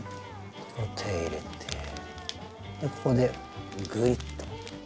手入れてここでグイッと。